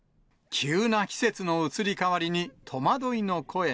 急な季節の移り変わりに戸惑